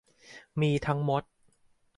มีทั้งมด